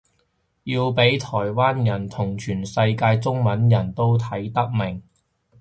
要畀台灣人同全世界中文人都睇得明